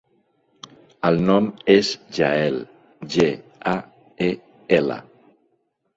El nom és Gael: ge, a, e, ela.